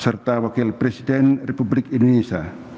serta wakil presiden republik indonesia